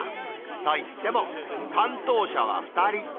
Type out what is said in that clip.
といっても、担当者は２人。